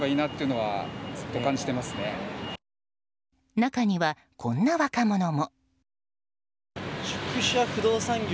中には、こんな若者も。